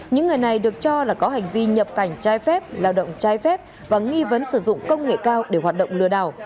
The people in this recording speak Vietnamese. những người này được cho là có hành vi nhập cảnh trái phép lao động trai phép và nghi vấn sử dụng công nghệ cao để hoạt động lừa đảo